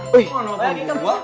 kenapa nelfon gua